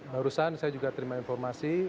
barusan saya juga terima informasi